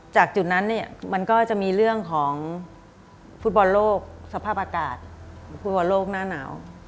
จุดนั้นเนี่ยมันก็จะมีเรื่องของฟุตบอลโลกสภาพอากาศฟุตบอลโลกหน้าหนาว